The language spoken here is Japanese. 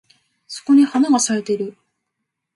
そこに花が咲いてる